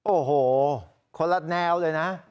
โอ้โหคนละแนวเลยนะ